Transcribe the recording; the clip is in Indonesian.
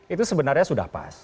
itu sebenarnya sudah pas